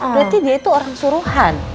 berarti dia itu orang suruhan